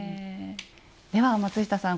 では松下さん